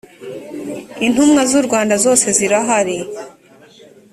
intumwa z’ u rwanda zose zirahari.